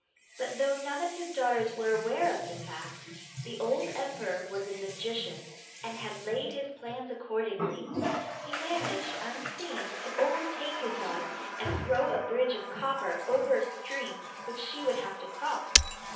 But though none of his daughters were aware of the fact, the old emperor was a magician, and had laid his plans accordingly. He managed, unseen, to overtake his daughter, and throw a bridge of copper over a stream which she would have to cross.